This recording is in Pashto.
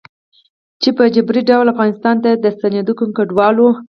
چې په جبري ډول افغانستان ته د ستنېدونکو کډوالو